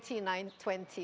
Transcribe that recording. tahun dua ribu dua puluh jelas